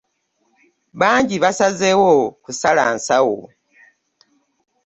Bangi basazeewo kusala nsawo.